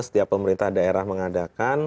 setiap pemerintah daerah mengadakan